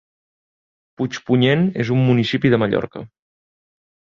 Puigpunyent és un municipi de Mallorca.